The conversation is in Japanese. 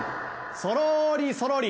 そろりそろり。